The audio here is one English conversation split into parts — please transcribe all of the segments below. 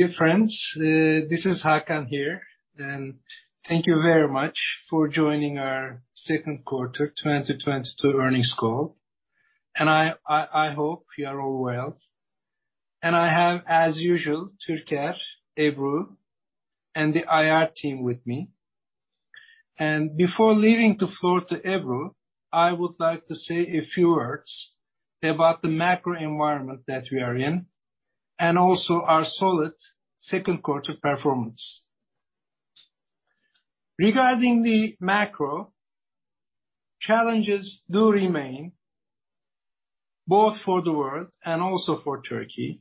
Dear friends, this is Hakan here. Thank you very much for joining our Second Quarter 2022 Earnings Call. I hope you are all well. I have, as usual, Türker, Ebru, and the IR team with me. Before leaving the floor to Ebru, I would like to say a few words about the macro environment that we are in and also our solid second quarter performance. Regarding the macro, challenges do remain both for the world and also for Turkey.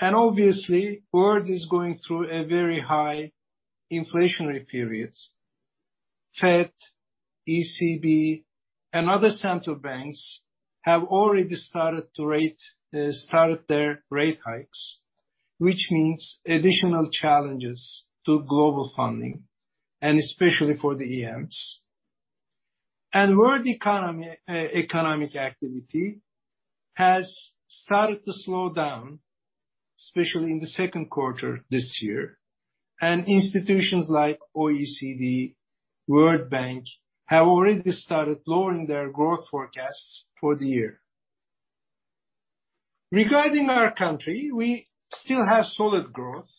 Obviously, world is going through a very high inflationary periods. Fed, ECB, and other central banks have already started their rate hikes, which means additional challenges to global funding and especially for the EMs. World economy, economic activity has started to slow down, especially in the second quarter this year. Institutions like OECD, World Bank, have already started lowering their growth forecasts for the year. Regarding our country, we still have solid growth.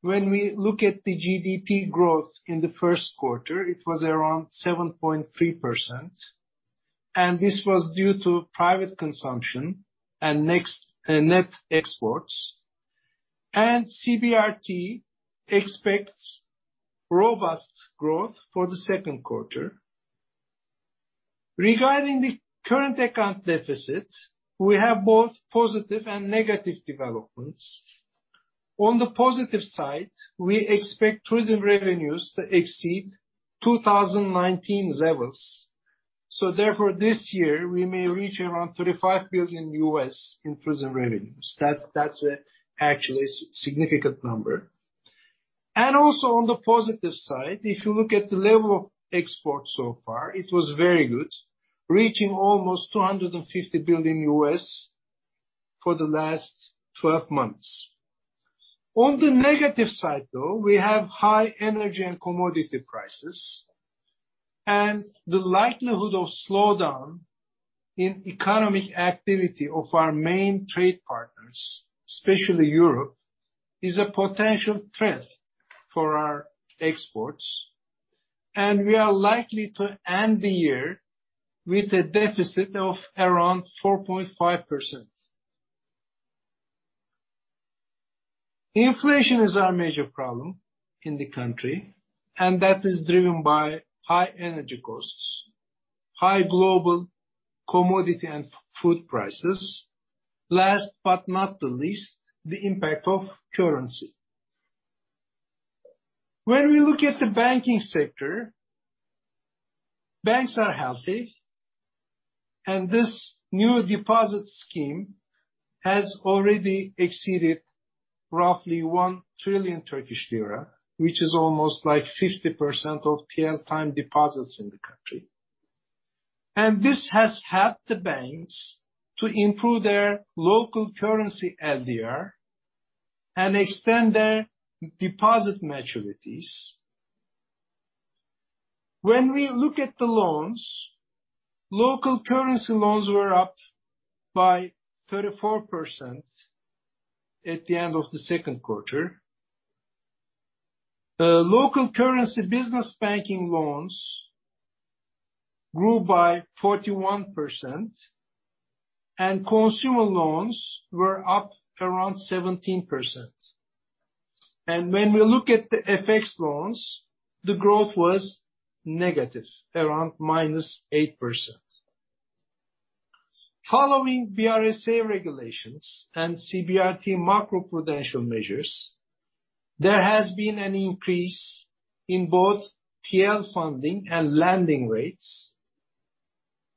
When we look at the GDP growth in the first quarter, it was around 7.3%, and this was due to private consumption and next, net exports. CBRT expects robust growth for the second quarter. Regarding the current account deficits, we have both positive and negative developments. On the positive side, we expect tourism revenues to exceed 2019 levels. Therefore, this year we may reach around $35 billion in tourism revenues. That's actually a significant number. Also on the positive side, if you look at the level of exports so far, it was very good, reaching almost $250 billion for the last twelve months. On the negative side, though, we have high energy and commodity prices, and the likelihood of slowdown in economic activity of our main trade partners, especially Europe, is a potential threat for our exports. We are likely to end the year with a deficit of around 4.5%. Inflation is our major problem in the country, and that is driven by high energy costs, high global commodity and food prices. Last but not the least, the impact of currency. When we look at the banking sector, banks are healthy, and this new deposit scheme has already exceeded roughly 1 trillion Turkish lira, which is almost like 50% of TL time deposits in the country. This has helped the banks to improve their local currency LDR and extend their deposit maturities. When we look at the loans, local currency loans were up by 34% at the end of the second quarter. Local currency Business Banking loans grew by 41%, and consumer loans were up around 17%. When we look at the FX loans, the growth was negative, around -8%. Following BRSA regulations and CBRT macro-prudential measures, there has been an increase in both TL funding and lending rates,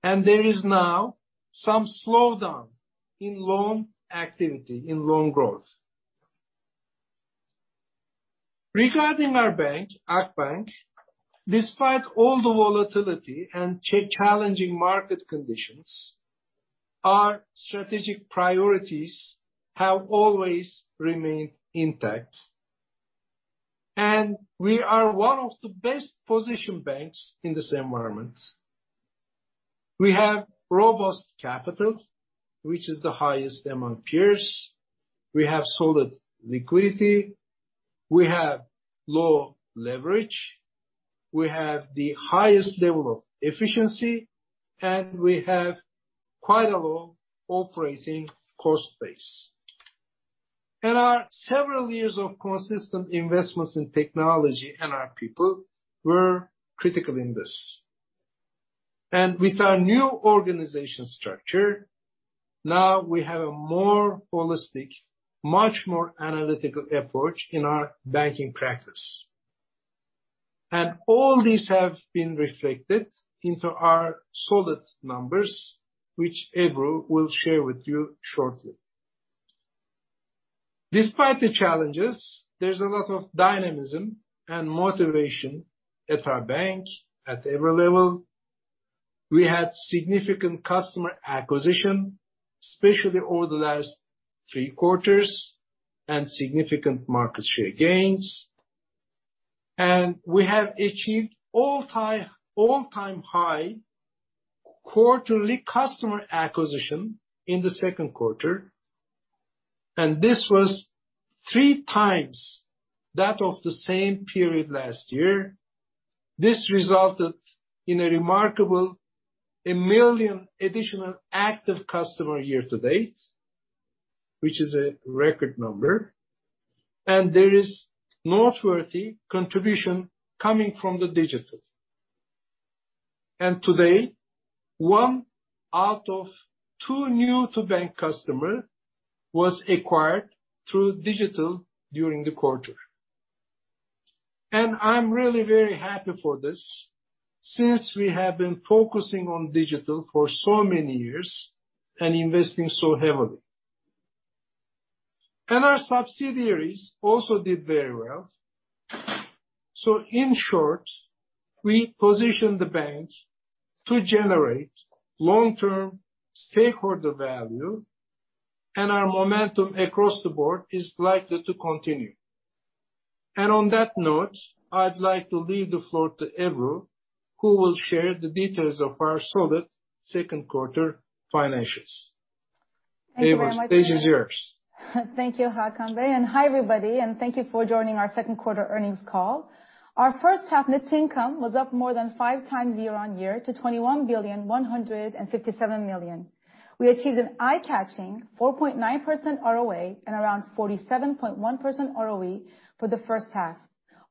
and there is now some slowdown in loan activity, in loan growth. Regarding our bank, Akbank, despite all the volatility and challenging market conditions, our strategic priorities have always remained intact. We are one of the best positioned banks in this environment. We have robust capital, which is the highest among peers. We have solid liquidity. We have low leverage. We have the highest level of efficiency, and we have quite a low operating cost base. Our several years of consistent investments in technology and our people were critical in this. With our new organizational structure, now we have a more holistic, much more analytical approach in our banking practice. All these have been reflected into our solid numbers, which Ebru will share with you shortly. Despite the challenges, there's a lot of dynamism and motivation at our bank at every level. We had significant customer acquisition, especially over the last three quarters, and significant market share gains. We have achieved all-time high quarterly customer acquisition in the second quarter, and this was 3x that of the same period last year. This resulted in a remarkable, 1 million additional active customer year-to-date, which is a record number. There is noteworthy contribution coming from the digital. Today, one out of two new-to-bank customer was acquired through digital during the quarter. I'm really very happy for this since we have been focusing on digital for so many years and investing so heavily. Our subsidiaries also did very well. In short, we positioned the banks to generate long-term stakeholder value, and our momentum across the board is likely to continue. On that note, I'd like to leave the floor to Ebru, who will share the details of our solid second quarter financials. Thank you very much. Ebru, the stage is yours. Thank you, Hakan and hi, everybody, and thank you for joining our second quarter earnings call. Our first half net income was up more than 5x year-on-year to 21,157 million. We achieved an eye-catching 4.9% ROA and around 47.1% ROE for the first half.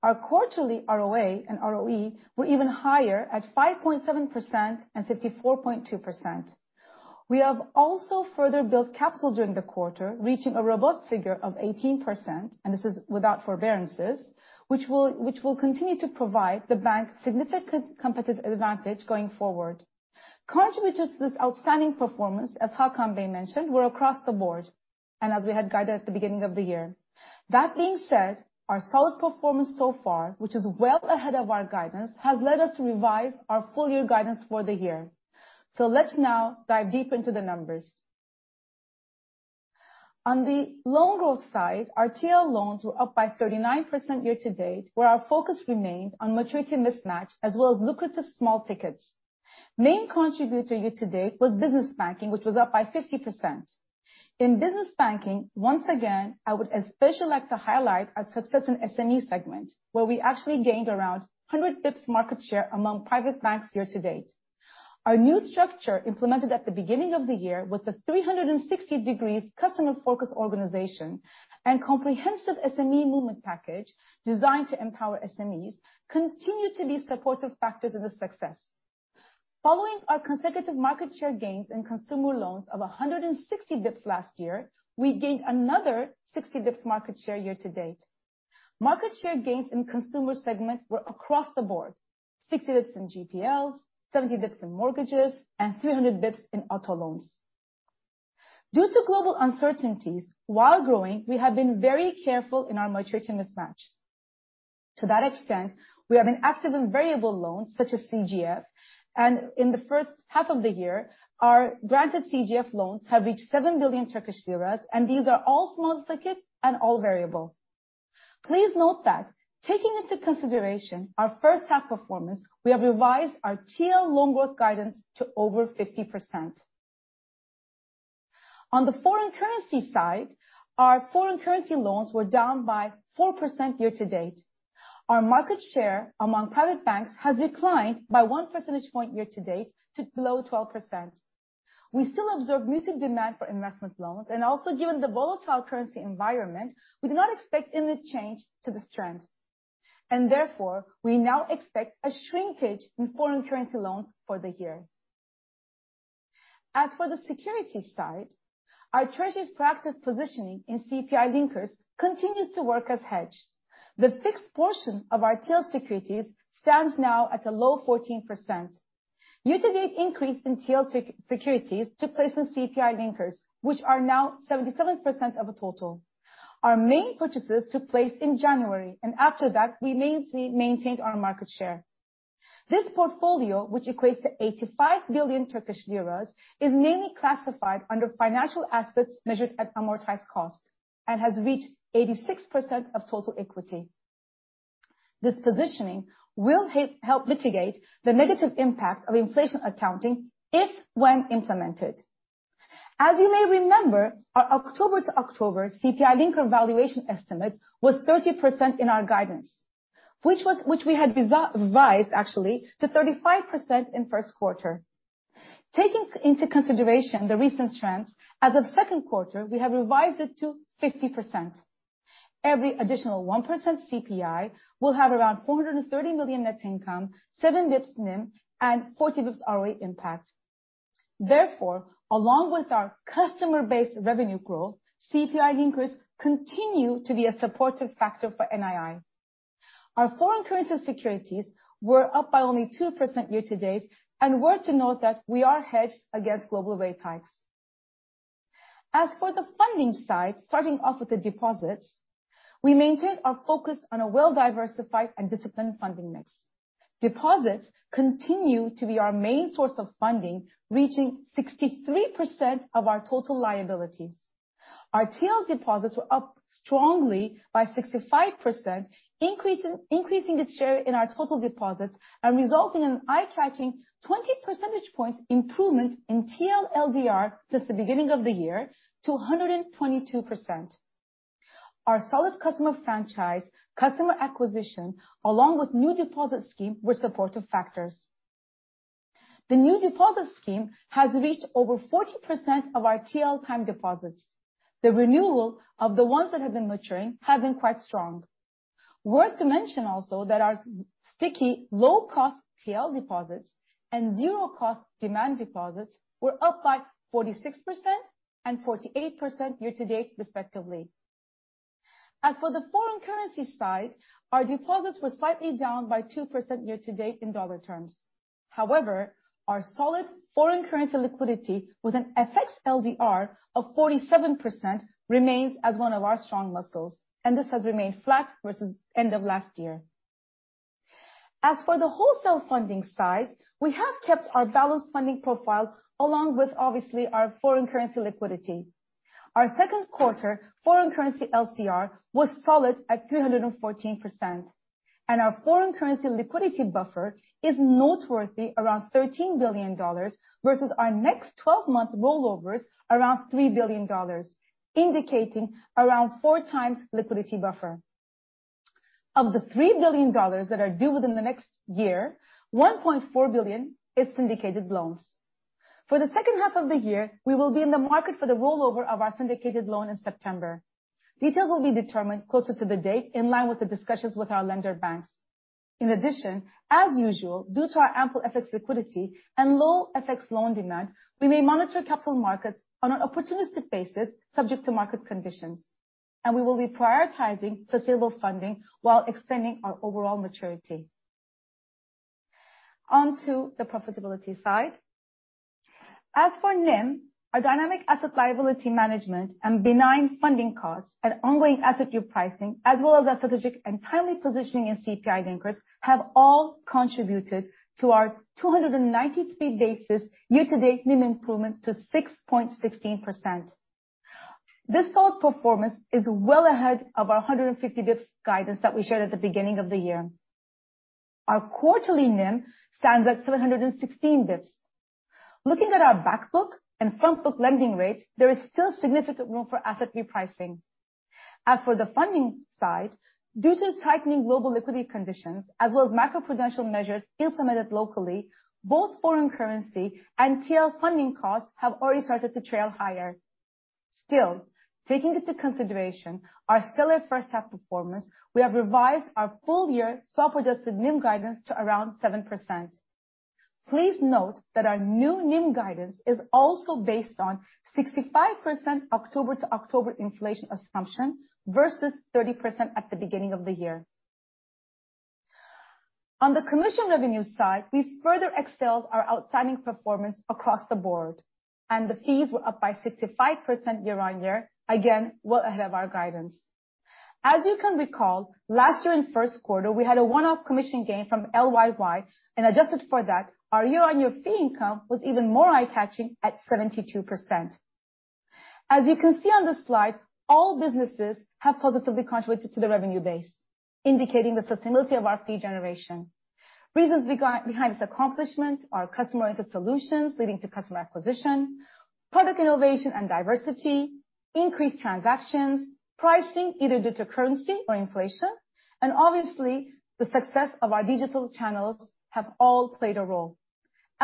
Our quarterly ROA and ROE were even higher at 5.7% and 54.2%. We have also further built capital during the quarter, reaching a robust figure of 18%, and this is without forbearances, which will continue to provide the bank significant competitive advantage going forward. Contributors to this outstanding performance, as Hakan Bey mentioned, were across the board, and as we had guided at the beginning of the year. That being said, our solid performance so far, which is well ahead of our guidance, has led us to revise our full year guidance for the year. Let's now dive deep into the numbers. On the loan growth side, our TL loans were up by 39% year-to-date, where our focus remained on maturity mismatch as well as lucrative small tickets. Main contributor year-to-date was Business Banking, which was up by 50%. In Business Banking, once again, I would especially like to highlight our success in SME segment, where we actually gained around 100 basis points market share among private banks year-to-date. Our new structure implemented at the beginning of the year with the 360-degree customer-focused organization and comprehensive SME movement package designed to empower SMEs continue to be supportive factors of the success. Following our consecutive market share gains in consumer loans of 100 basis points last year, we gained another 60 basis points market share year-to-date. Market share gains in consumer segment were across the board. 60 basis points in GPLs, 70 basis points in mortgages, and 300 basis points in auto loans. Due to global uncertainties, while growing, we have been very careful in our maturity mismatch. To that extent, we have an active and variable loans such as CGF, and in the first half of the year, our granted CGF loans have reached 7 billion Turkish lira, and these are all small ticket and all variable. Please note that taking into consideration our first half performance, we have revised our TL loan growth guidance to over 50%. On the foreign currency side, our foreign currency loans were down by 4% year-to-date. Our market share among private banks has declined by 1 percentage point year-to-date to below 12%. We still observe muted demand for investment loans, and also given the volatile currency environment, we do not expect any change to this trend. Therefore, we now expect a shrinkage in foreign currency loans for the year. As for the security side, our treasury practice positioning in CPI Linkers continues to work as hedge. The fixed portion of our TL securities stands now at a low 14%. Year-to-date increase in TL securities took place in CPI Linkers, which are now 77% of the total. Our main purchases took place in January, and after that, we maintained our market share. This portfolio, which equates to 85 billion Turkish lira, is mainly classified under financial assets measured at amortized cost and has reached 86% of total equity. This positioning will help mitigate the negative impact of inflation accounting if when implemented. As you may remember, our October to October CPI linker valuation estimate was 30% in our guidance, which we had revised actually to 35% in first quarter. Taking into consideration the recent trends, as of second quarter, we have revised it to 50%. Every additional 1% CPI will have around 430 million net income, 7 basis points NIM, and 40 basis points ROE impact. Therefore, along with our customer-based revenue growth, CPI Linkers continue to be a supportive factor for NII. Our foreign currency securities were up by only 2% year-to-date, and worth noting that we are hedged against global rate hikes. As for the funding side, starting off with the deposits, we maintained our focus on a well-diversified and disciplined funding mix. Deposits continue to be our main source of funding, reaching 63% of our total liabilities. Our TRY deposits were up strongly by 65%, increasing its share in our total deposits and resulting in an eye-catching 20 percentage points improvement in TL LDR since the beginning of the year to 122%. Our solid customer franchise, customer acquisition, along with new deposit scheme, were supportive factors. The new deposit scheme has reached over 40% of our TL time deposits. The renewal of the ones that have been maturing has been quite strong. Worth to mention also that our sticky low-cost TRY deposits and zero-cost demand deposits were up by 46% and 48% year-to-date respectively. As for the foreign currency side, our deposits were slightly down by 2% year-to-date in dollar terms. However, our solid foreign currency liquidity, with an FX LDR of 47%, remains as one of our strong muscles, and this has remained flat versus end of last year. As for the wholesale funding side, we have kept our balanced funding profile, along with obviously our foreign currency liquidity. Our second quarter foreign currency LCR was solid at 314%, and our foreign currency liquidity buffer is noteworthy, around $13 billion, versus our next 12-month rollovers, around $3 billion, indicating around 4x liquidity buffer. Of the $3 billion that are due within the next year, $1.4 billion is syndicated loans. For the second half of the year, we will be in the market for the rollover of our syndicated loan in September. Details will be determined closer to the date, in line with the discussions with our lender banks. In addition, as usual, due to our ample FX liquidity and low FX loan demand, we may monitor capital markets on an opportunistic basis, subject to market conditions, and we will be prioritizing sustainable funding while extending our overall maturity. On to the profitability side. As for NIM, our dynamic asset and liability management and benign funding costs and ongoing asset yield pricing, as well as strategic and timely positioning in CPI Linkers, have all contributed to our 293 basis points year-to-date NIM improvement to 6.16%. This solid performance is well ahead of our 150 basis points guidance that we shared at the beginning of the year. Our quarterly NIM stands at 716 basis points. Looking at our back book and front book lending rates, there is still significant room for asset repricing. As for the funding side, due to tightening global liquidity conditions, as well as macroprudential measures implemented locally, both foreign currency and TL funding costs have already started to trail higher. Still, taking into consideration our stellar first half performance, we have revised our full year self-adjusted NIM guidance to around 7%. Please note that our new NIM guidance is also based on 65% October to October inflation assumption versus 30% at the beginning of the year. On the commission revenue side, we've further excelled our outstanding performance across the board, and the fees were up by 65% year-on-year, again, well ahead of our guidance. As you can recall, last year in first quarter, we had a one-off commission gain from LYY, and adjusted for that, our year-on-year fee income was even more eye-catching at 72%. As you can see on this slide, all businesses have positively contributed to the revenue base, indicating the sustainability of our fee generation. Reasons behind this accomplishment are customer-centered solutions leading to customer acquisition, product innovation and diversity, increased transactions, pricing, either due to currency or inflation, and obviously, the success of our digital channels have all played a role.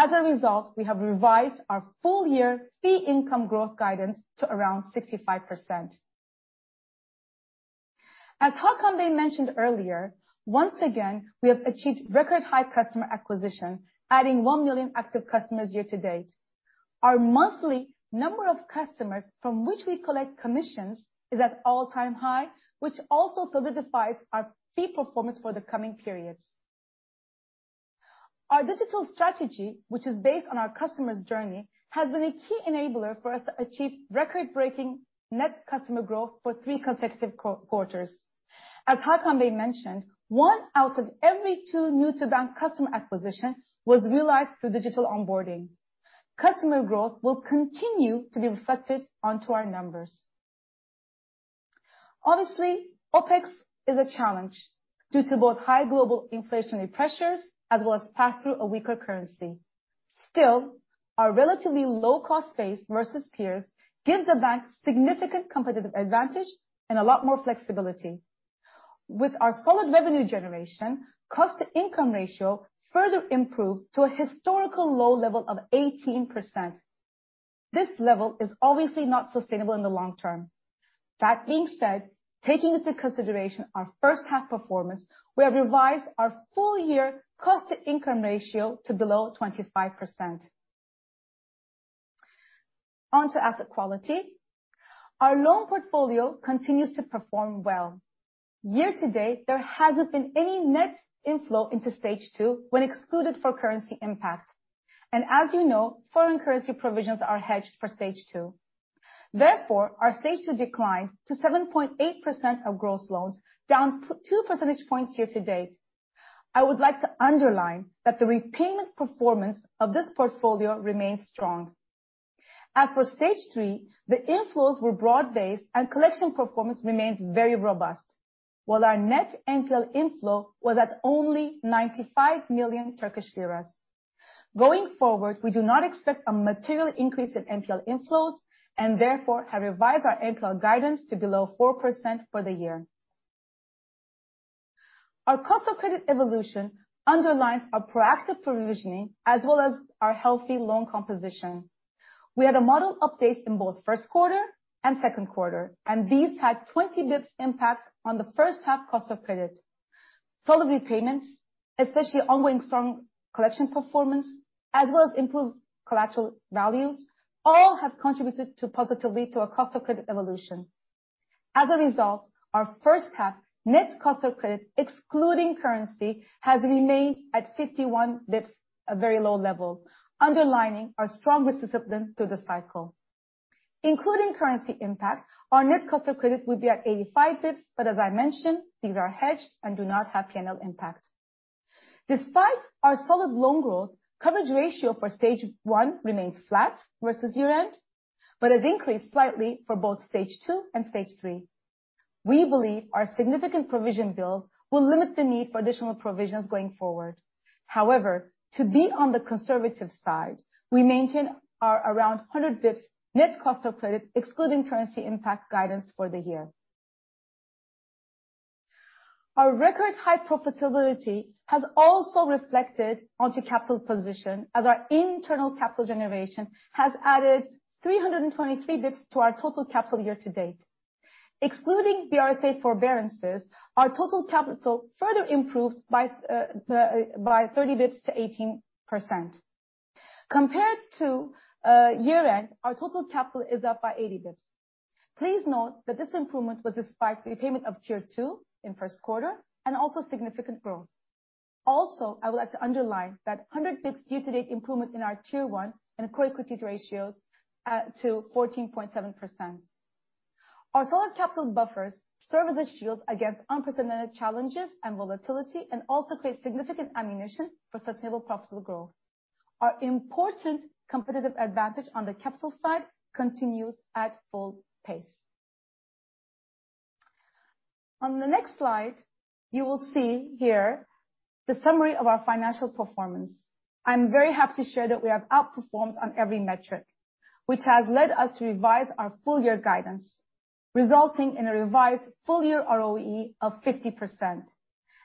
As a result, we have revised our full year fee income growth guidance to around 65%. As Hakan Bey mentioned earlier, once again, we have achieved record high customer acquisition, adding 1 million active customers year-to-date. Our monthly number of customers from which we collect commissions is at all-time high, which also solidifies our fee performance for the coming periods. Our digital strategy, which is based on our customer's journey, has been a key enabler for us to achieve record-breaking net customer growth for three consecutive quarters. As Hakan Bey mentioned, one out of every two new to bank customer acquisition was realized through digital onboarding. Customer growth will continue to be reflected onto our numbers. Obviously, OpEx is a challenge due to both high global inflationary pressures, as well as pass-through of weaker currency. Still, our relatively low cost base versus peers gives the bank significant competitive advantage and a lot more flexibility. With our solid revenue generation, cost-to-income ratio further improved to a historical low level of 18%. This level is obviously not sustainable in the long term. That being said, taking into consideration our first half performance, we have revised our full year cost-to-income ratio to below 25%. On to asset quality. Our loan portfolio continues to perform well. Year-to-date, there hasn't been any net inflow into stage two when excluded for currency impact. As you know, foreign currency provisions are hedged for Stage 2. Therefore, our Stage 2 declined to 7.8% of gross loans, down 2 percentage points year-to-date. I would like to underline that the repayment performance of this portfolio remains strong. As for Stage 3, the inflows were broad-based and collection performance remained very robust, while our net NPL inflow was at only 95 million Turkish lira. Going forward, we do not expect a material increase in NPL inflows and therefore have revised our NPL guidance to below 4% for the year. Our cost of credit evolution underlines our proactive provisioning as well as our healthy loan composition. We had a model update in both first quarter and second quarter, and these had 20 basis points impact on the first half cost of credit. Solid repayments, especially ongoing strong collection performance, as well as improved collateral values, all have contributed positively to our cost of credit evolution. As a result, our first half net cost of credit, excluding currency, has remained at 51 basis points, a very low level, underlining our strong resilience through the cycle. Including currency impact, our net cost of credit will be at 85 basis points, but as I mentioned, these are hedged and do not have P&L impact. Despite our solid loan growth, coverage ratio for Stage 1 remains flat versus year-end, but has increased slightly for both Stage 2 and Stage 3. We believe our significant provision builds will limit the need for additional provisions going forward. However, to be on the conservative side, we maintain our around 100 basis points net cost of credit, excluding currency impact, guidance for the year. Our record high profitability has also reflected onto capital position as our internal capital generation has added 323 basis points to our total capital year-to-date. Excluding BRSA forbearances, our total capital further improved by 30 basis points to 18%. Compared to year-end, our total capital is up by 80 basis points. Please note that this improvement was despite repayment of Tier 2 in first quarter and also significant growth. Also, I would like to underline that 100 basis points year-to-date improvement in our Tier 1 and core equity ratios to 14.7%. Our solid capital buffers serve as a shield against unprecedented challenges and volatility and also create significant ammunition for sustainable profitable growth. Our important competitive advantage on the capital side continues at full pace. On the next slide, you will see here the summary of our financial performance. I'm very happy to share that we have outperformed on every metric, which has led us to revise our full year guidance, resulting in a revised full year ROE of 50%.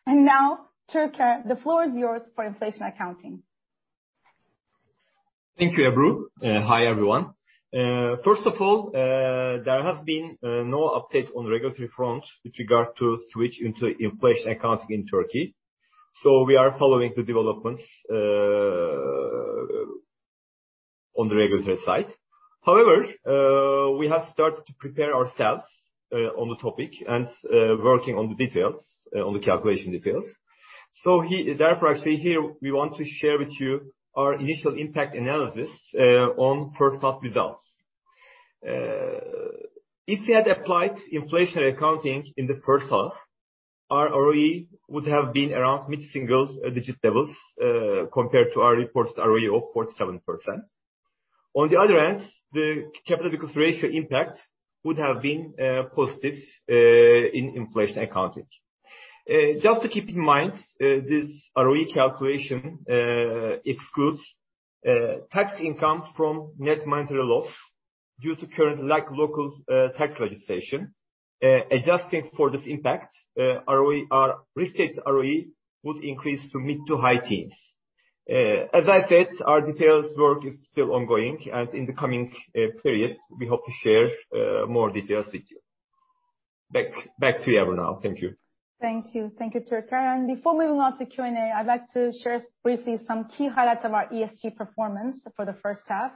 Now, Türker, the floor is yours for inflation accounting. Thank you, Ebru. Hi, everyone. First of all, there has been no update on regulatory front with regard to switch into inflation accounting in Turkey. We are following the developments on the regulatory side. However, we have started to prepare ourselves on the topic and working on the details, on the calculation details. Therefore, actually, here we want to share with you our initial impact analysis on first half results. If we had applied inflation accounting in the first half, our ROE would have been around mid-single digit levels, compared to our reported ROE of 47%. On the other hand, the capital ratio impact would have been positive in inflation accounting. Just to keep in mind, this ROE calculation excludes tax income from net monetary loss due to current local tax legislation. Adjusting for this impact, ROE, our restated ROE would increase to mid- to high teens. As I said, our detailed work is still ongoing, and in the coming periods, we hope to share more details with you. Back to you, Ebru now. Thank you. Thank you. Thank you, Türker. Before moving on to Q&A, I'd like to share briefly some key highlights of our ESG performance for the first half.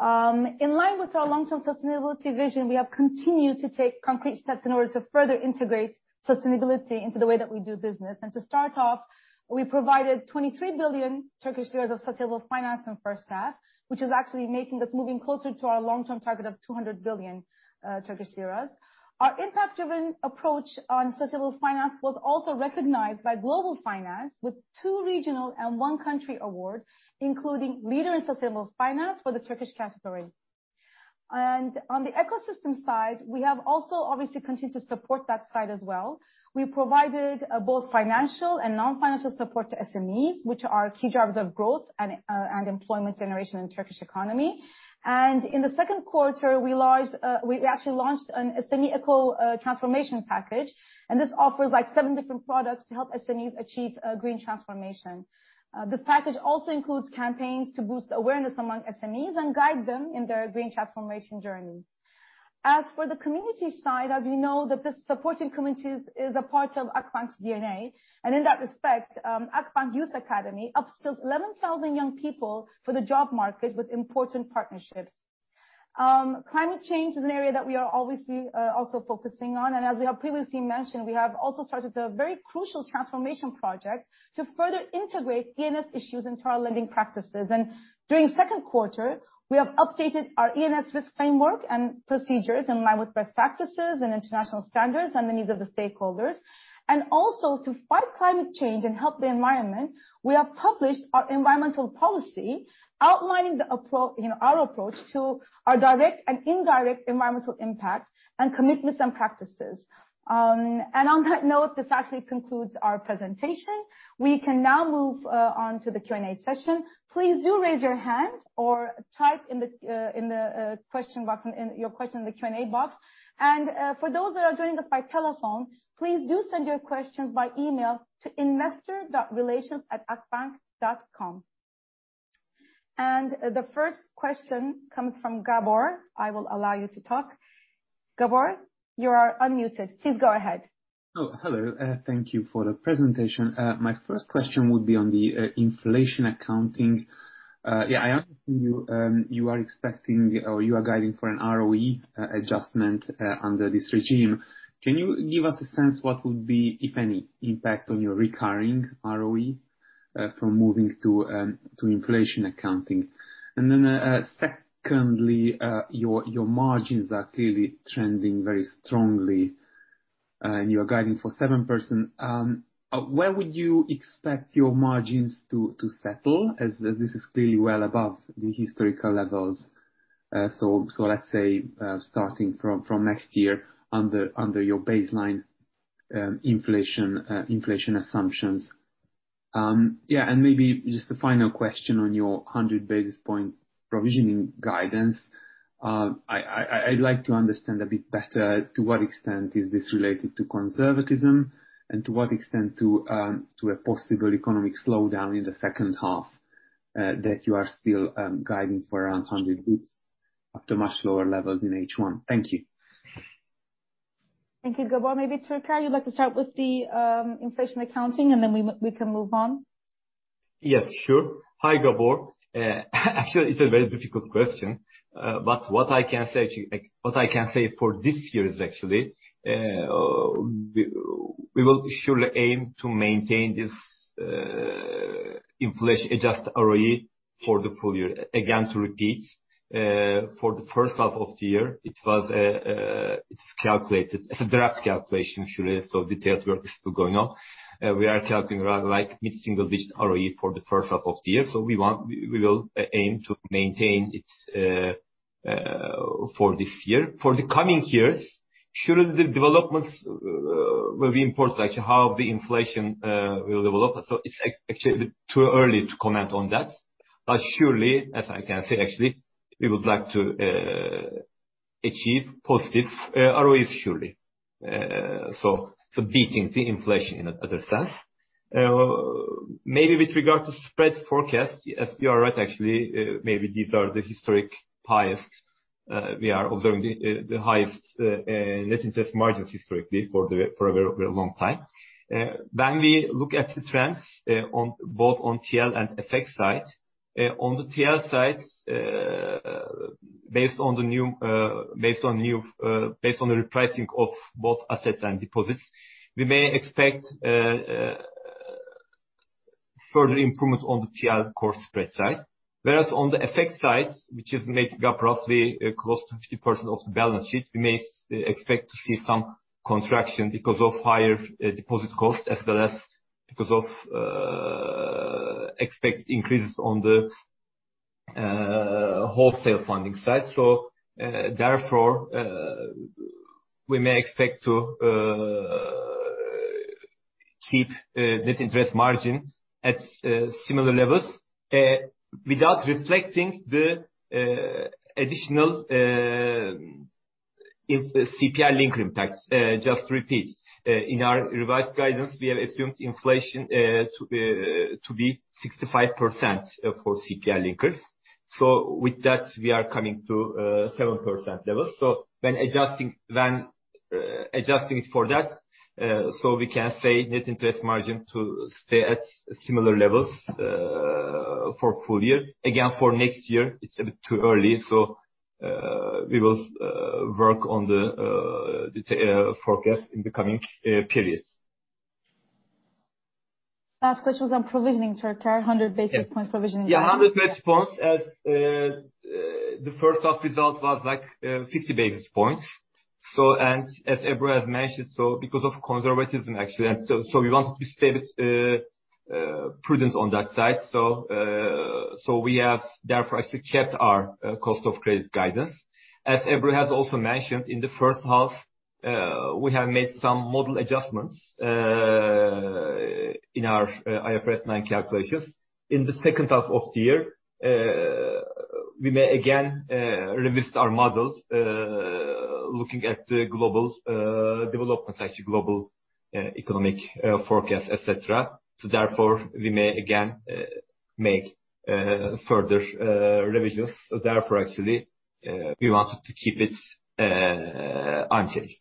In line with our long-term sustainability vision, we have continued to take concrete steps in order to further integrate sustainability into the way that we do business. To start off, we provided 23 billion Turkish lira of sustainable finance in first half, which is actually making us moving closer to our long-term target of 200 billion Turkish liras. Our impact-driven approach on sustainable finance was also recognized by Global Finance with two regional and one country award, including Leader in Sustainable Finance for the Turkish category. On the ecosystem side, we have also obviously continued to support that side as well. We provided both financial and non-financial support to SMEs, which are key drivers of growth and employment generation in the Turkish economy. In the second quarter, we actually launched an SME eco transformation package, and this offers like seven different products to help SMEs achieve a green transformation. This package also includes campaigns to boost awareness among SMEs and guide them in their green transformation journey. As for the community side, as you know, supporting communities is a part of Akbank's DNA. In that respect, Akbank Youth Academy upskills 11,000 young people for the job market with important partnerships. Climate change is an area that we are obviously also focusing on. As we have previously mentioned, we have also started a very crucial transformation project to further integrate E&S issues into our lending practices. During second quarter, we have updated our E&S risk framework and procedures in line with best practices and international standards and the needs of the stakeholders. Also to fight climate change and help the environment, we have published our environmental policy outlining you know, our approach to our direct and indirect environmental impacts, and commitments and practices. On that note, this actually concludes our presentation. We can now move on to the Q&A session. Please do raise your hand or type in the question box your question in the Q&A box. For those that are joining us by telephone, please do send your questions by email to investor.relations@akbank.com. The first question comes from Gabor. I will allow you to talk. Gabor, you are unmuted. Please go ahead. Oh, hello. Thank you for the presentation. My first question would be on the inflation accounting. Yeah, I understand you are expecting or you are guiding for an ROE adjustment under this regime. Can you give us a sense what would be, if any, impact on your recurring ROE from moving to inflation accounting? And then, secondly, your margins are clearly trending very strongly, you're guiding for 7%. Where would you expect your margins to settle as this is clearly well above the historical levels? So let's say starting from next year under your baseline inflation assumptions. Yeah, and maybe just a final question on your 100 basis point provisioning guidance. I'd like to understand a bit better, to what extent is this related to conservatism and to what extent to a possible economic slowdown in the second half, that you are still guiding for around 100 basis points after much lower levels in H1. Thank you. Thank you, Gabor. Maybe, Türker, you'd like to start with the inflation accounting, and then we can move on. Yes, sure. Hi, Gabor. Actually, it's a very difficult question. What I can say to you, like, what I can say for this year is actually, we will surely aim to maintain this inflation-adjusted ROE for the full year. Again, to repeat, for the first half of the year, it was, it's calculated. It's a draft calculation, surely, so detailed work is still going on. We are calculating around like mid-single digit ROE for the first half of the year. We want. We will aim to maintain it for this year. For the coming years, surely the developments will be important, like how the inflation will develop. It's actually too early to comment on that. Surely, as I can say, actually, we would like to achieve positive ROEs, surely. Beating the inflation in that sense. Maybe with regard to spread forecast, yes, you are right, actually, maybe these are the historic highest. We are observing the highest net interest margins historically for a very long time. When we look at the trends on both TL and FX side. On the TL side, based on the repricing of both assets and deposits, we may expect further improvement on the TL core spread side. Whereas on the FX side, which is making up roughly close to 50% of the balance sheet, we may expect to see some contraction because of higher deposit costs, as well as because of expected increases on the wholesale funding side. Therefore, we may expect to keep net interest margin at similar levels without reflecting the additional income CPI linker impacts. Just to repeat, in our revised guidance, we have assumed inflation to be 65% for CPI Linkers. With that, we are coming to 7% level. When adjusting for that, we can say net interest margin to stay at similar levels for full year. Again, for next year, it's a bit too early, we will work on the forecast in the coming periods. Last question's on provisioning, Türker. Yes. 100 basis points provisioning. Yeah, 100 basis points as the first half results was like 50 basis points. As Ebru has mentioned, so because of conservatism, actually, and so we wanted to stay with prudence on that side. We have therefore actually kept our cost of credit guidance. As Ebru has also mentioned, in the first half, we have made some model adjustments in our IFRS 9 calculations. In the second half of the year, we may again revisit our models looking at the global developments, actually global economic forecast, et cetera. Therefore, we may again make further revisions. Therefore, actually, we wanted to keep it unchanged.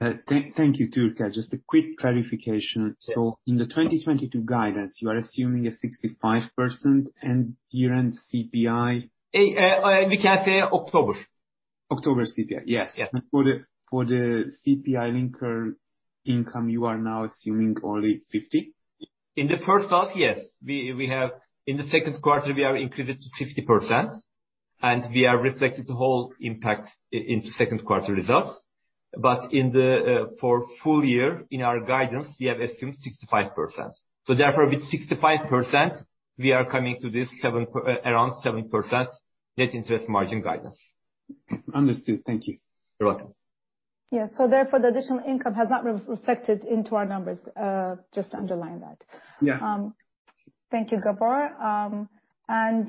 Thank you, Türker. Just a quick clarification. Yeah. In the 2022 guidance, you are assuming a 65% year-end CPI. We can say October. October CPI. Yes. Yes. For the CPI linker income, you are now assuming only 50%? In the first half, yes. In the second quarter we increased to 50%, and we reflected the whole impact in second quarter results. But for the full year, in our guidance, we have assumed 65%. Therefore, with 65% we are coming to this around 7% net interest margin guidance. Understood. Thank you. You're welcome. Therefore, the additional income has not reflected into our numbers, just to underline that. Yeah. Thank you, Gabor. The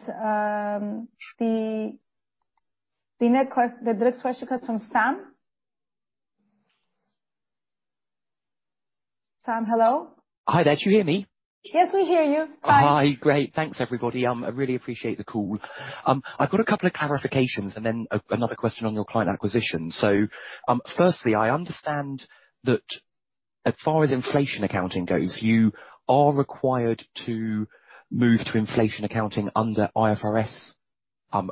next question comes from Sam. Sam, hello? Hi there. Can you hear me? Yes, we hear you. Hi. Hi. Great. Thanks, everybody. I really appreciate the call. I've got a couple of clarifications and then another question on your client acquisition. Firstly, I understand that as far as inflation accounting goes, you are required to move to inflation accounting under IFRS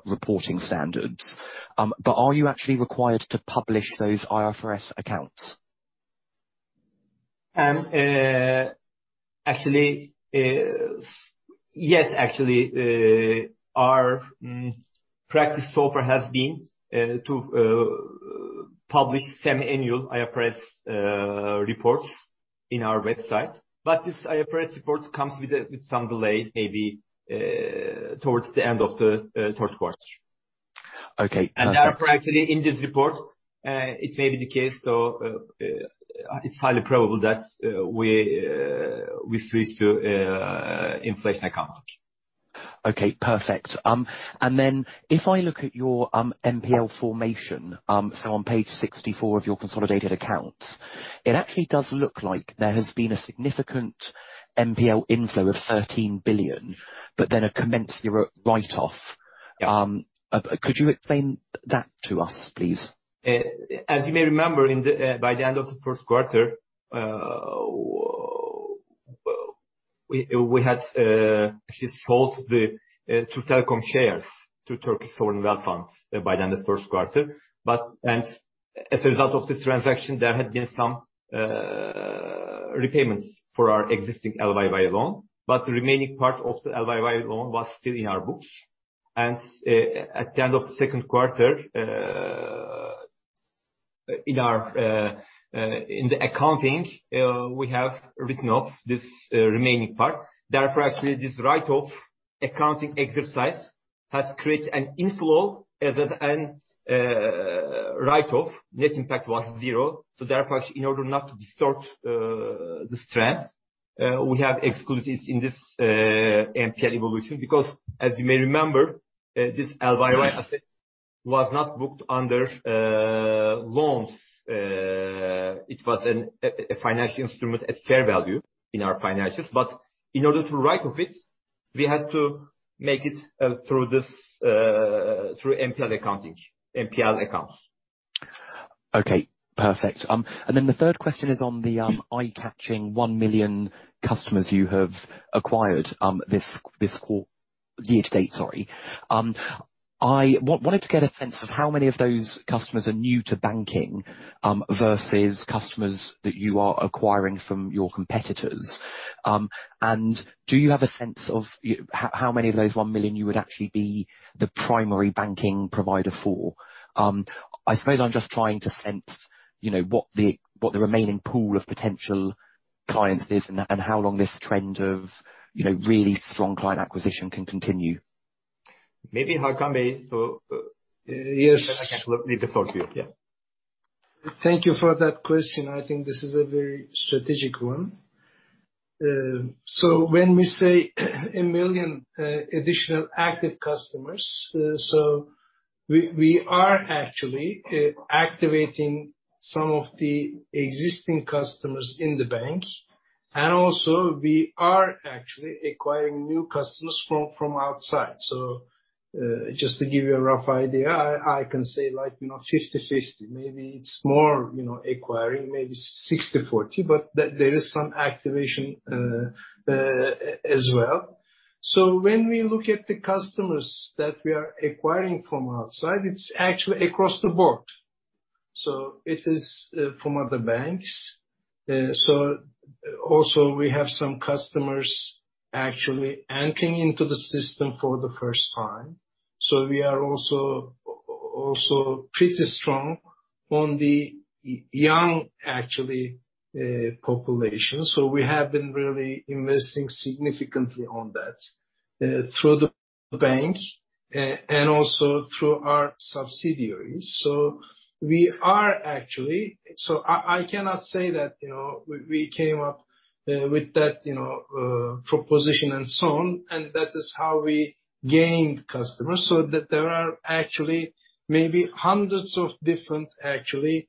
reporting standards. Are you actually required to publish those IFRS accounts? Actually, yes, actually. Our practice so far has been to publish semi-annual IFRS reports in our website. This IFRS reports comes with some delay, maybe towards the end of the third quarter. Okay. Therefore, actually, in this report, it may be the case, so, it's highly probable that we switch to inflation accounting. Okay, perfect. If I look at your NPL formation, on page 64 of your consolidated accounts, it actually does look like there has been a significant NPL inflow of 13 billion, but then a commensurate write-off. Yeah. Could you explain that to us please? As you may remember, by the end of the first quarter, we had actually sold the Türk Telekom shares to Turkey Wealth Fund by the end of first quarter. As a result of this transaction, there had been some repayments for our existing LYY loan, but the remaining part of the LYY loan was still in our books. At the end of the second quarter, in the accounting, we have written off this remaining part. Therefore, actually, this write-off accounting exercise has created an inflow as at end. Write-off net impact was zero. Therefore, actually, in order not to distort the strength, we have excluded in this NPL evolution. Because as you may remember, this LYY asset was not booked under loans. It was a financial instrument at fair value in our financials. In order to write off it, we had to make it through NPL accounting, NPL accounts. Okay. Perfect. The third question is on the eye-catching 1 million customers you have acquired this year-to-date, sorry. I wanted to get a sense of how many of those customers are new to banking versus customers that you are acquiring from your competitors. Do you have a sense of how many of those 1 million you would actually be the primary banking provider for? I suppose I'm just trying to sense, you know, what the remaining pool of potential clients is and how long this trend of, you know, really strong client acquisition can continue. Maybe Hakan Bey. Yes. Let me talk to you. Yeah. Thank you for that question. I think this is a very strategic one. So when we say 1 million additional active customers, we are actually activating some of the existing customers in the bank. Also we are actually acquiring new customers from outside. Just to give you a rough idea, I can say like, you know, 50/50. Maybe it's more, you know, acquiring, maybe 60/40, but there is some activation as well. When we look at the customers that we are acquiring from outside, it's actually across the board. It is from other banks. Also we have some customers actually entering into the system for the first time. We are also pretty strong on the young, actually, population. We have been really investing significantly on that through the bank and also through our subsidiaries. We are actually. I cannot say that, you know, we came up with that, you know, proposition and so on, and that is how we gained customers. That there are actually maybe hundreds of different, actually,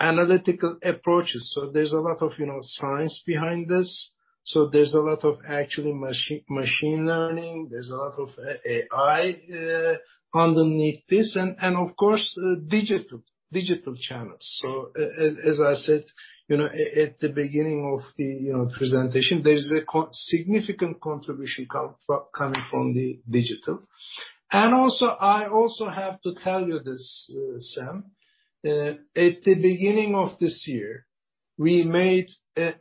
analytical approaches. There's a lot of, you know, science behind this. There's a lot of actually machine learning. There's a lot of AI underneath this and of course digital channels. As I said, you know, at the beginning of the, you know, presentation, there's a significant contribution coming from the digital. I also have to tell you this, Sam. At the beginning of this year, we made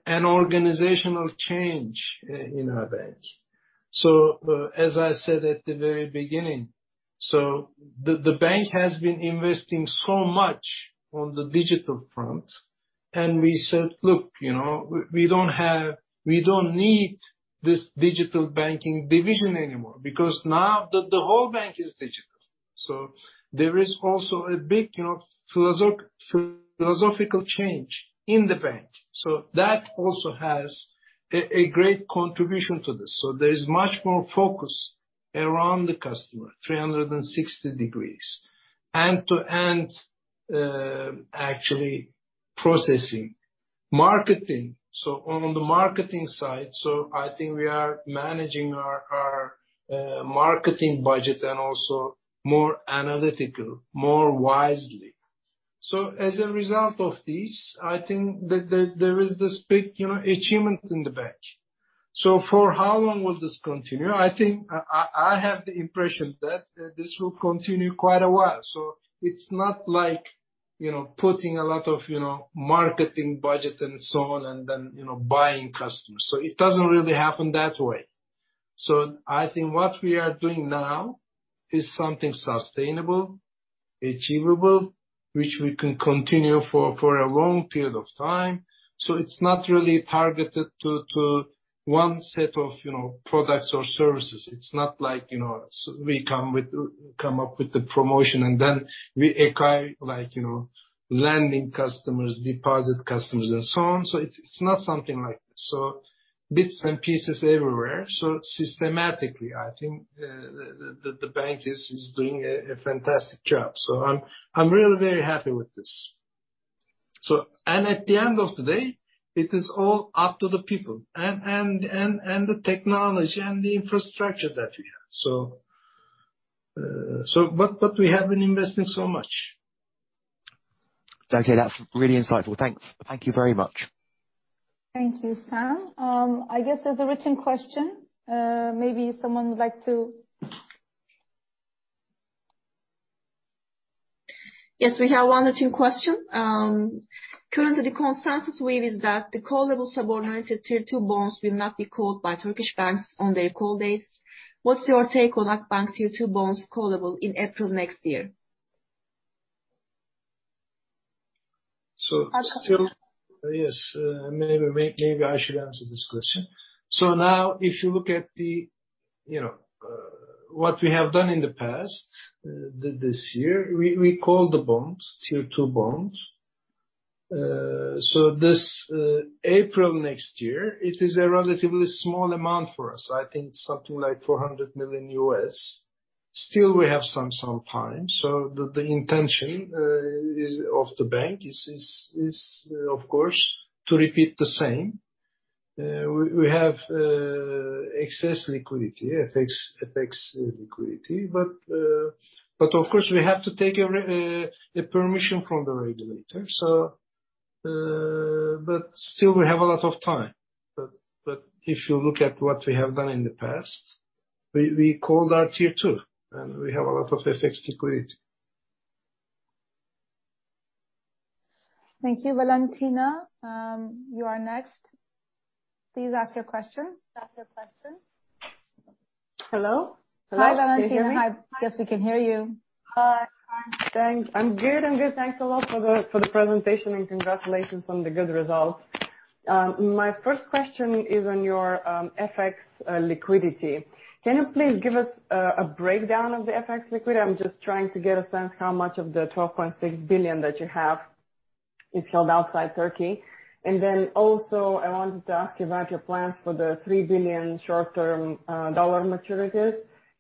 an organizational change in our bank. As I said at the very beginning, the bank has been investing so much on the digital front. We said, "Look, you know, we don't need this digital banking division anymore because now the whole bank is digital." There is also a big, you know, philosophical change in the bank. That also has a great contribution to this. There is much more focus around the customer, 360 degrees, end to end, actually processing. Marketing. On the marketing side, I think we are managing our marketing budget and also more analytical, more wisely. As a result of this, I think that there is this big, you know, achievement in the bank. For how long will this continue? I think I have the impression that this will continue quite a while. It's not like, you know, putting a lot of, you know, marketing budget and so on, and then, you know, buying customers. It doesn't really happen that way. I think what we are doing now is something sustainable, achievable, which we can continue for a long period of time. It's not really targeted to one set of, you know, products or services. It's not like, you know, we come up with the promotion, and then we acquire, like, you know, lending customers, deposit customers, and so on. It's not something like this. Bits and pieces everywhere. Systematically, I think, the bank is doing a fantastic job. I'm really very happy with this. At the end of the day, it is all up to the people and the technology and the infrastructure that we have. We have been investing so much. Okay. That's really insightful. Thanks. Thank you very much. Thank you, Sam. I guess there's a written question. Maybe someone would like to. Yes, we have one or two question. Currently the consensus view is that the callable subordinated Tier 2 bonds will not be called by Turkish banks on their call dates. What's your take on Akbank Tier 2 bonds callable in April next year? So still- Hakan. Yes. Maybe I should answer this question. Now if you look at the, you know, what we have done in the past, this year, we called the bonds, Tier 2 bonds. This April next year, it is a relatively small amount for us. I think something like $400 million. Still we have some time, so the intention of the bank is of course to repeat the same. We have excess liquidity, FX liquidity. But of course we have to take a permission from the regulator. But still we have a lot of time. But if you look at what we have done in the past, we called our Tier 2, and we have a lot of FX liquidity. Thank you. Valentina, you are next. Please ask your question. Hello? Hello. Can you hear me? Hi, Valentina. Hi. Yes, we can hear you. Hi. Thanks. I'm good. Thanks a lot for the presentation, and congratulations on the good results. My first question is on your FX liquidity. Can you please give us a breakdown of the FX liquidity? I'm just trying to get a sense how much of the $12.6 billion that you have is held outside Turkey. I wanted to ask you about your plans for the $3 billion short-term dollar maturities.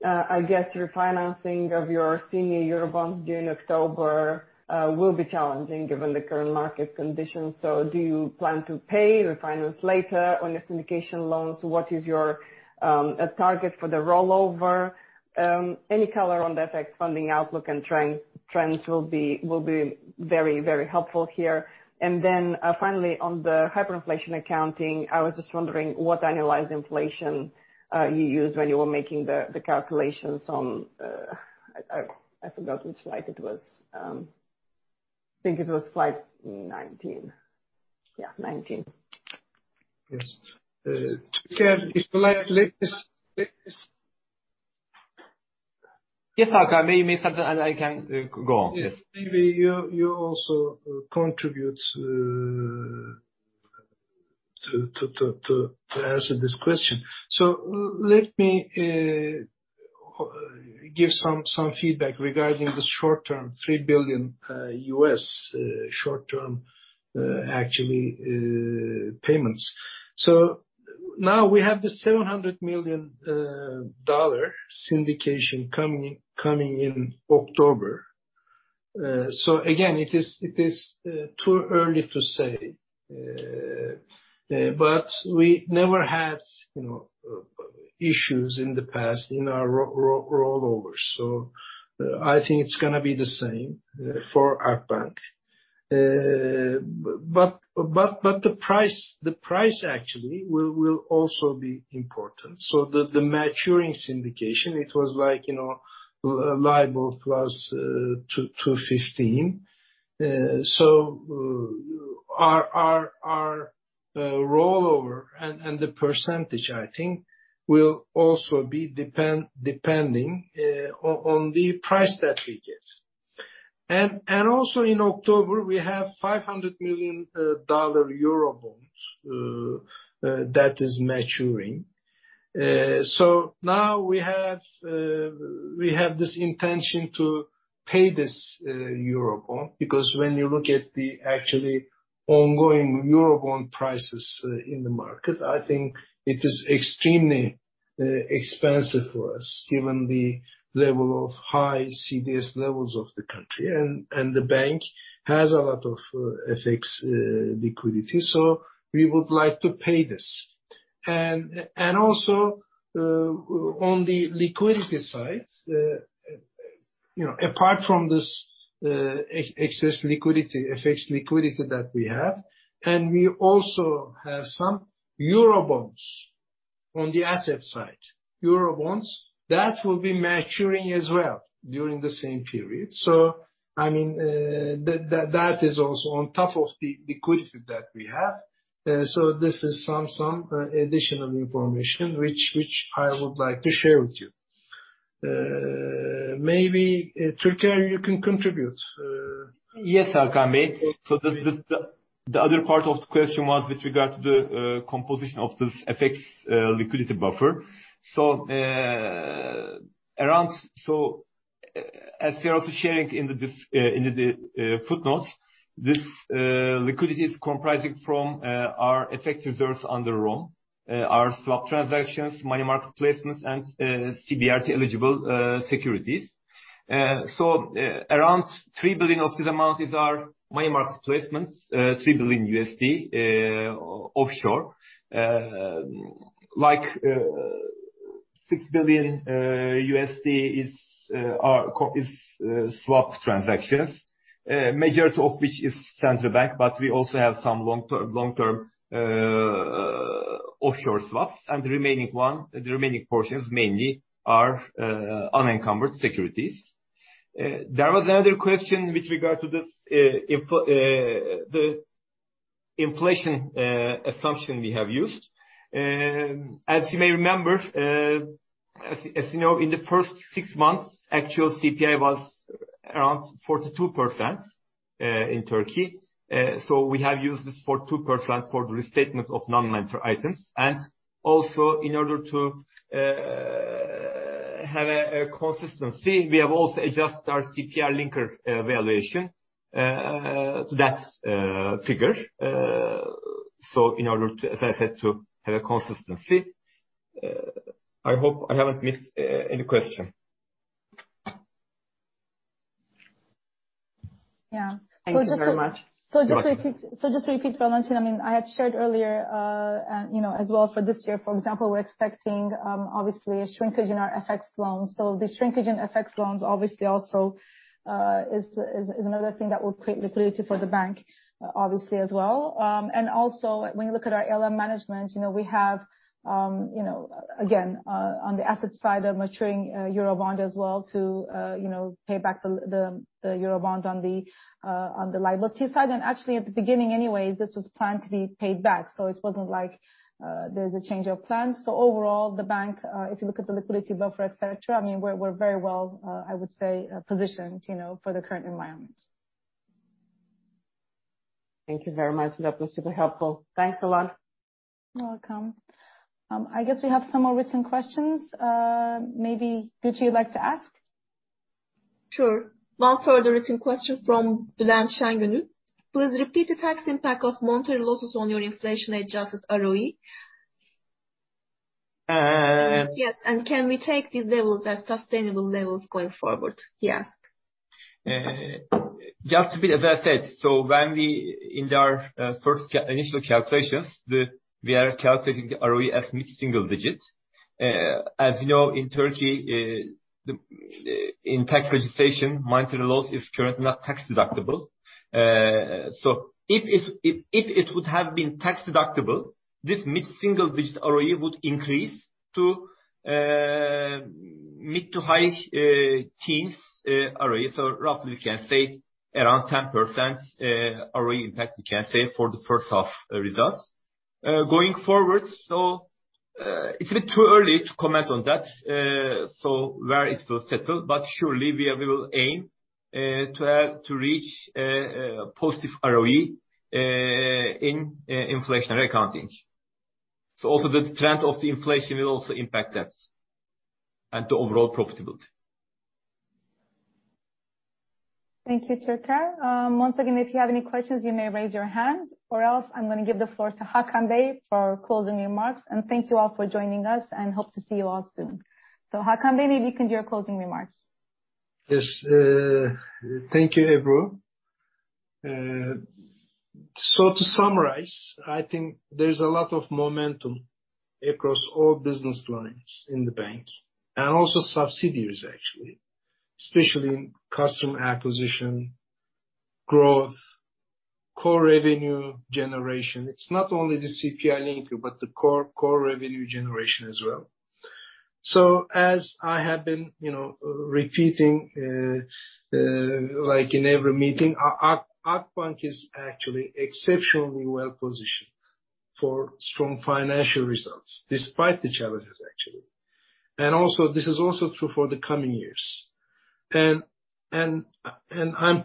I guess refinancing of your senior euro bonds due in October will be challenging given the current market conditions. Do you plan to pay, refinance later on your syndication loans? What is your target for the rollover? Any color on the FX funding outlook and trends will be very helpful here. Finally, on the hyperinflation accounting, I was just wondering what annualized inflation you used when you were making the calculations on. I forgot which slide it was. I think it was slide 19. Yeah, 19. Yes. Tunc, if you like. Yes, Hakan. Maybe you mean something, and I can go on. Yes. Yes. Maybe you also contribute to answer this question. Let me give some feedback regarding the short-term $3 billion short-term actually payments. Now we have the $700 million syndication coming in October. Again, it is too early to say. But we never had, you know, issues in the past in our rollovers. I think it's gonna be the same for our bank. But the price actually will also be important. The maturing syndication, it was like, you know, LIBOR plus 215. Our rollover and the percentage, I think, will also be depending on the price that we get. Also in October, we have $500 million Euro bonds that is maturing. Now we have this intention to pay this Euro bond, because when you look at the actually ongoing Euro bond prices in the market, I think it is extremely expensive for us, given the level of high CDS levels of the country. The bank has a lot of FX liquidity, so we would like to pay this. On the liquidity side, you know, apart from this excess liquidity, FX liquidity that we have, and we also have some Euro bonds on the asset side. Euro bonds that will be maturing as well during the same period. I mean, that is also on top of the liquidity that we have. This is some additional information which I would like to share with you. Maybe Türker, you can contribute. Yes, Hakan Bey. The other part of the question was with regard to the composition of this FX liquidity buffer. As we are also sharing in the disclosure in the footnotes, this liquidity is comprising from our FX reserves under ROM, our swap transactions, money market placements, and CBRT eligible securities. Around 3 billion of this amount is our money market placements, $3 billion offshore. Like $6 billion is our swap transactions, majority of which is Central Bank, but we also have some long-term offshore swaps. The remaining portions mainly are unencumbered securities. There was another question with regard to this, the inflation assumption we have used. As you may remember, as you know, in the first six months, actual CPI was around 42% in Turkey. So we have used this 42% for the restatement of non-interest items. Also, in order to have a consistency, we have also adjusted our CPI linker valuation to that figure. So in order to, as I said, to have a consistency. I hope I haven't missed any question. Yeah. Thank you very much. So just to- You're welcome. Just to repeat, Valentin, I mean, I had shared earlier, and you know as well for this year, for example, we're expecting obviously a shrinkage in our FX loans. The shrinkage in FX loans obviously also is another thing that will create liquidity for the bank obviously as well. When you look at our ALM management, you know we have you know again on the asset side a maturing Euro bond as well to you know pay back the Euro bond on the liability side. Actually, at the beginning anyways, this was planned to be paid back, so it wasn't like there's a change of plans. Overall, the bank, if you look at the liquidity buffer, et cetera, I mean, we're very well, I would say, positioned, you know, for the current environment. Thank you very much. That was super helpful. Thanks a lot. You're welcome. I guess we have some more written questions. Maybe, Burcu, you'd like to ask? Sure. One further written question from Dilan Şengönül. Please repeat the tax impact of monetary losses on your inflation-adjusted ROE. Uh- Yes. Can we take these levels as sustainable levels going forward? Yes. Just a bit, as I said, when we, in our initial calculations, we are calculating ROE as mid-single digits. As you know, in Turkey, in tax legislation, monetary loss is currently not tax-deductible. So if it would have been tax-deductible, this mid-single digit ROE would increase to mid- to high-teens ROE. So roughly we can say around 10% ROE impact we can say for the first half results. Going forward, it's a bit too early to comment on that, so where it will settle. Surely, we will aim to reach positive ROE in inflationary accounting. Also the trend of the inflation will also impact that and the overall profitability. Thank you, Türker. Once again, if you have any questions, you may raise your hand. Or else, I'm gonna give the floor to Hakan Bey for closing remarks. Thank you all for joining us, and hope to see you all soon. Hakan Bey, maybe you can do your closing remarks. Yes. Thank you, Ebru. To summarize, I think there's a lot of momentum across all business lines in the bank and also subsidiaries actually, especially in customer acquisition, growth, core revenue generation. It's not only the CPI linking, but the core revenue generation as well. As I have been, you know, repeating like in every meeting, our Akbank is actually exceptionally well-positioned for strong financial results despite the challenges actually. This is also true for the coming years. I'm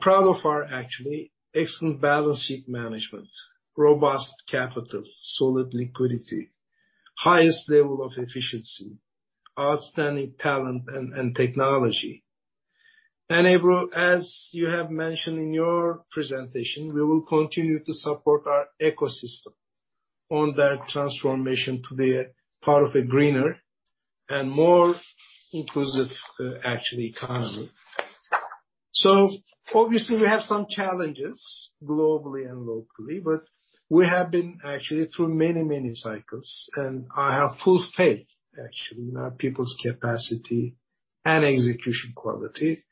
proud of our actually excellent balance sheet management, robust capital, solid liquidity, highest level of efficiency, outstanding talent and technology. Ebru, as you have mentioned in your presentation, we will continue to support our ecosystem on that transformation to be a part of a greener and more inclusive actually economy. Obviously we have some challenges globally and locally, but we have been actually through many, many cycles, and I have full faith actually in our people's capacity and execution quality.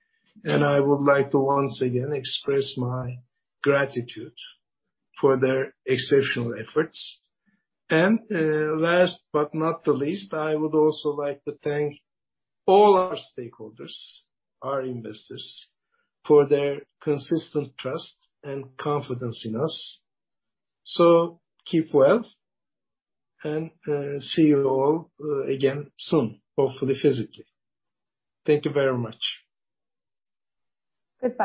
Last but not the least, I would also like to thank all our stakeholders, our investors, for their consistent trust and confidence in us. Keep well and see you all again soon, hopefully physically. Thank you very much. Goodbye.